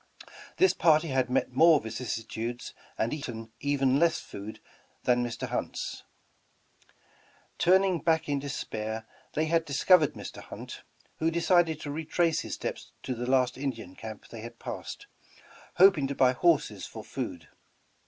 This party had met more vicissitudes and eaten even less food that Mr. Hunt's. Turning back in despair, they had discovered Mr. Hunt, who decided to retrace his steps to the last In dian camp they had passed, hoping to buy horses for food.